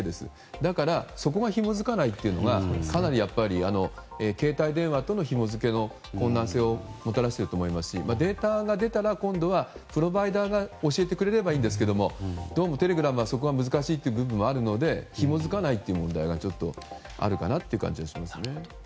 だから、そこが紐づかないというのはかなり、携帯電話とのひもづけの困難性をもたらしていると思いますしデータが出たら今度はプロバイダが教えてくれたらいいんですけどどうも、テレビなどではそこが難しい部分があるのでひもづかないという問題があるかなという感じがしますね。